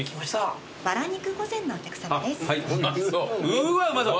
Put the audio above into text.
うわうまそう。